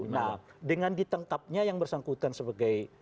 nah dengan ditangkapnya yang bersangkutan sebagai